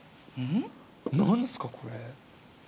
何ですかこれ。